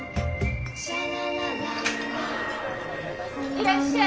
いらっしゃい。